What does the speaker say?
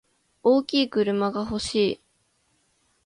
大きい車が欲しい。